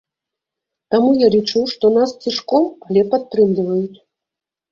Таму я лічу, што нас цішком, але падтрымліваюць.